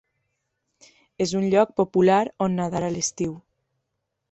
És un lloc popular on nedar a l'estiu.